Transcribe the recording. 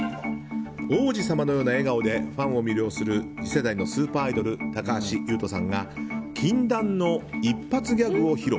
王子様のような笑顔でファンを魅了する次世代のスーパーアイドル高橋優斗さんが禁断の一発ギャグを披露。